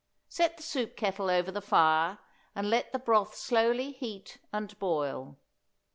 Set the soup kettle over the fire, and let the broth slowly heat and boil.